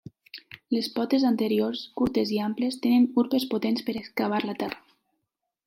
Les potes anteriors, curtes i amples, tenen urpes potents per excavar la terra.